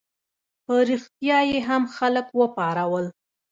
په ریشتیا یې هم خلک وپارول.